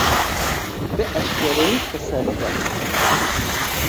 Bi eşkereyî qise bike!